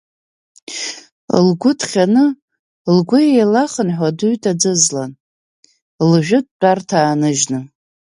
Лгәы ҭҟьаны, лгәы еилахынҳәуа, дыҩт аӡызлан, лжәытә тәарҭа ааныжьны.